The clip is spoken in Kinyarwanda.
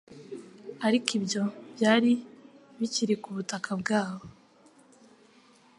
ariko ibyo byari bikiri kubutaka bwabo,